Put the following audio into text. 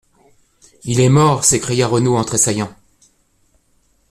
—Il est mort !…» s’écria Renaud en tressaillant.